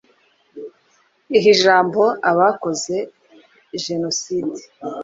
iha ijambo abakoze Jenoside